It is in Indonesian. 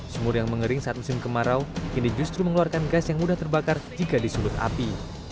sumur yang mengering saat musim kemarau kini justru mengeluarkan gas yang mudah terbakar jika disulut api